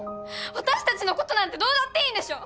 私たちの事なんてどうだっていいんでしょ？